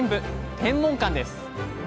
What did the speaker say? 天文館です。